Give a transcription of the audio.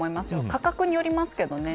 価格によりますけどね。